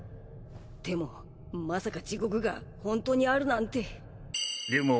でもまさか地獄がホントにあるなんて。